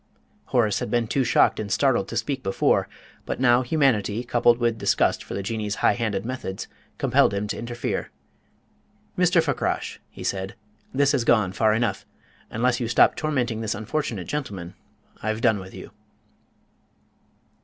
Horace had been too shocked and startled to speak before, but now humanity, coupled with disgust for the Jinnee's high handed methods, compelled him to interfere. "Mr. Fakrash," he said, "this has gone far enough. Unless you stop tormenting this unfortunate gentleman, I've done with you."